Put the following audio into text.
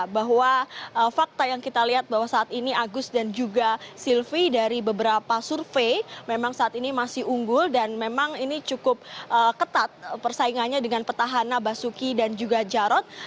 bahwa fakta yang kita lihat bahwa saat ini agus dan juga silvi dari beberapa survei memang saat ini masih unggul dan memang ini cukup ketat persaingannya dengan petahana basuki dan juga jarot